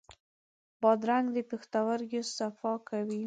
بادرنګ د پښتورګو صفا کوي.